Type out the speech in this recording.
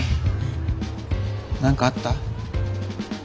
何かあった？